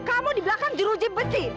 kamu di belakang jeruji besi